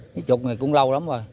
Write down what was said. mía trục này cũng lâu lắm rồi